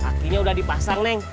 pakinya udah dipasang neng